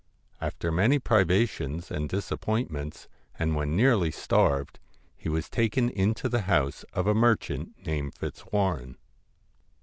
After many privations and disappointments, and when nearly starved, he was taken into the house of a merchant named Fitzwarren.